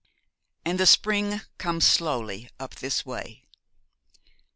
'AND THE SPRING COMES SLOWLY UP THIS WAY.'